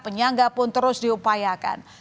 penyangga pun terus diupayakan